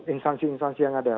instansi instansi yang ada